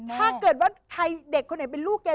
ถ้าเกิดว่าใครเด็กคนไหนเป็นลูกแก